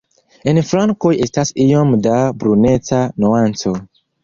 En flankoj estas iom da bruneca nuanco.